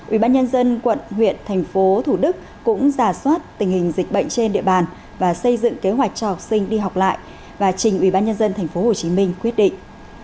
ubnd tp hcm cũng giả soát tình hình dịch bệnh trên địa bàn và xây dựng kế hoạch cho học sinh đi học lại và trình ubnd tp hcm quyết định